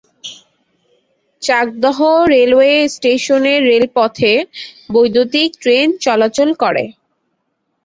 Chakdaha railway স্টেশনের রেলপথে বৈদ্যুতীক ট্রেন চলাচল করে।